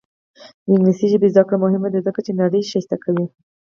د انګلیسي ژبې زده کړه مهمه ده ځکه چې نړۍ ښکلې کوي.